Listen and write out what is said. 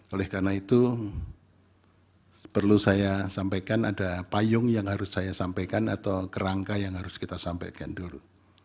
oleh karena itu perlu saya sampaikan ada payung yang harus saya sampaikan atau kerangka yang harus kita sampaikan dulu